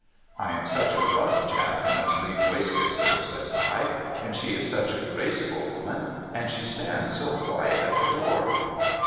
' I am such a rough chap in a sleeved waistcoat, sir,' says I, ' and she is such a graceful woman, and she stands so quiet at the door